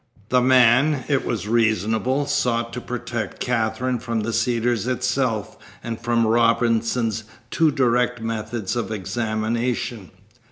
The man, it was reasonable, sought to protect Katherine from the Cedars itself and from Robinson's too direct methods of examination.